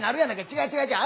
違う違う違う。